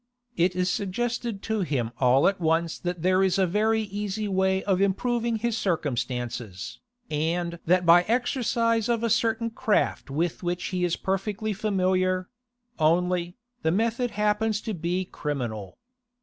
It is suggested to him all at once that there is a very easy way of improving his circumstances, and that by exercise of a certain craft with which he is perfectly familiar; only, the method happens to be criminal.